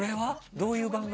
どういう番組？